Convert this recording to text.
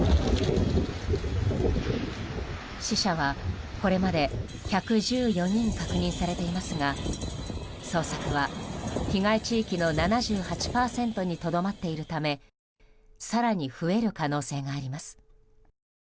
死者は、これまで１１４人確認されていますが捜索は被害地域の７８％にとどまっているため更に増える可能性があります。